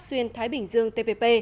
xuyên thái bình dương tpp